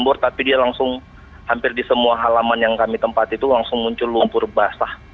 lumpur tapi dia langsung hampir di semua halaman yang kami tempat itu langsung muncul lumpur basah